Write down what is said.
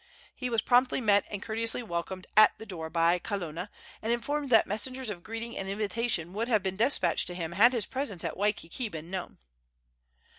He was promptly met and courteously welcomed at the door by Kalona, and informed that messengers of greeting and invitation would have been despatched to him had his presence at Waikiki been known.